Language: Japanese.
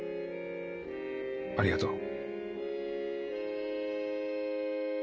ありがとう。